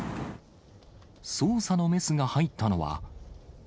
捜査のメスが入ったのは。